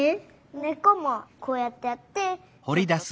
ねっこもこうやってやってとっとく。